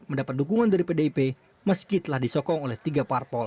mendapat dukungan dari pdip meski telah disokong oleh tiga parpol